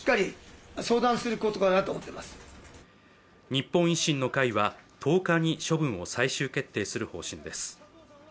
日本維新の会は、１０日に処分を最終決定する方針です。